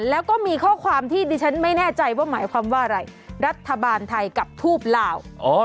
แล้วก็มีข้อความที่ดิฉันไม่แน่ใจว่าหมายความว่าอะไรรัฐบาลไทยกับทูปลาว